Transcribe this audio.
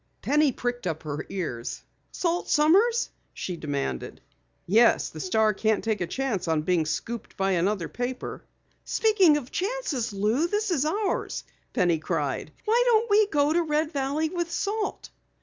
Penny pricked up her ears. "Salt Sommers?" she demanded. "Yes, the Star can't take a chance on being scooped by another paper." "Speaking of chances, Lou, this is ours!" Penny cried. "Why don't we go to Red Valley with Salt?"